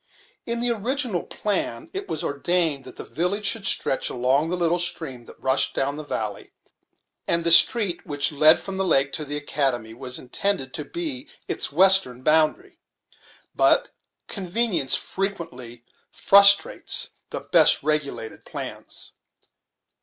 In the original plan it was ordained that the village should stretch along the little stream that rushed down the valley; and the street which led from the lake to the academy was intended to be its western boundary. But convenience frequently frustrates the best regulated plans.